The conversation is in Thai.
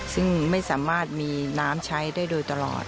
ซึ่งไม่สามารถมีน้ำใช้ได้โดยตลอด